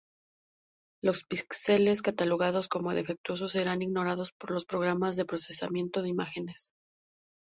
Los píxeles catalogados como defectuosos serán ignorados por los programas de procesamiento de imágenes.